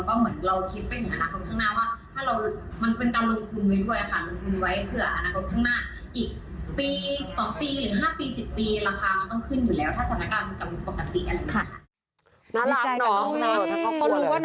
คือมีความคิดกับที่บ้านว่าอยากจะไปพักผ่อนกันไปเที่ยวไปอะไรอย่างนี้ค่ะ